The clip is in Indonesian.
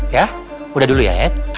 ya udah dulu ya